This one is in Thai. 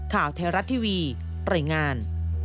ข่าวเทราะท์ทีวีตรงงาน